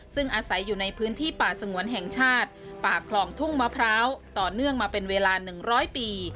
ซึ่งอาศัยอยู่ในพื้นที่ป่าสงวนแห่งชาติป่าคลองทุ่งมะพร้าวต่อเนื่องมาเป็นเวลา๑๐๐ปี